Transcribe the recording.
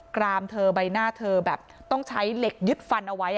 รามเธอใบหน้าเธอแบบต้องใช้เหล็กยึดฟันเอาไว้